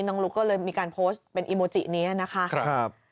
ลุ๊กก็เลยมีการโพสต์เป็นอีโมจินี้นะคะ